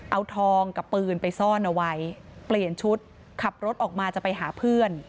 เอาทองกับปืนไปซ่อนเอาไว้เปลี่ยนชุดขับรถออกมาจะไปหาเพื่อน